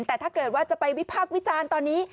แต่ถ้าเกิดว่าจะไปวิพากษ์วิจารณ์ตอนนี้